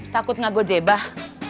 takut gak gue jebah